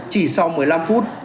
chỉ sau một mươi năm phút